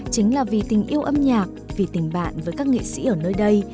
chính là vì tình yêu âm nhạc vì tình bạn với các nghệ sĩ ở nơi đây